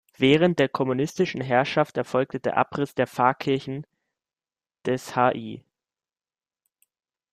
Während der kommunistischen Herrschaft erfolgte der Abriss der Pfarrkirchen des Hl.